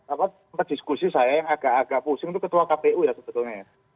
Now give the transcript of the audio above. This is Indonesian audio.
apa berdiskusi saya yang agak agak pusing itu ketua kpu ya sebetulnya